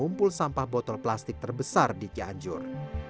sebagai pengusaha pengumpul sampah botol plastik terbesar di cianjur